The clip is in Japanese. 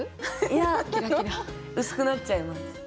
いや薄くなっちゃいます。